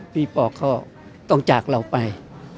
พี่ปอกก็ต้องจากเราไป